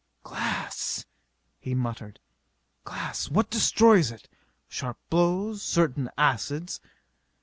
"Glass," he muttered. "Glass. What destroys it? Sharp blows ... certain acids